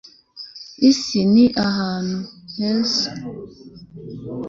isi ni ahantu heza